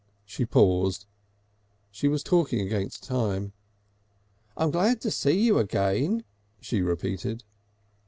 She paused. She was talking against time. "I am glad to see you again," she repeated.